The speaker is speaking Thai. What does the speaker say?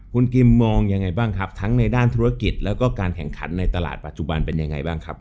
คุณกิมมองยังไงบ้างครับทั้งในด้านธุรกิจแล้วก็การแข่งขันในตลาดปัจจุบันเป็นยังไงบ้างครับ